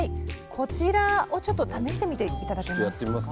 こちらをちょっと試してみて頂けますか。